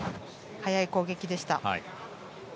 速い攻撃でした。